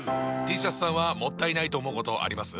Ｔシャツさんはもったいないと思うことあります？